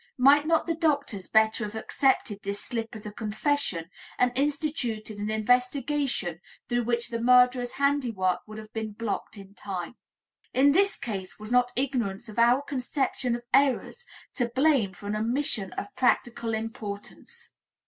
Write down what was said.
Might not the doctors better have accepted the slip as a confession and instituted an investigation through which the murderer's handiwork would have been blocked in time? In this case was not ignorance of our conception of errors to blame for an omission of practical importance?